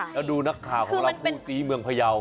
และดูหลักฐานเขารักผู้ซีเมืองพยาว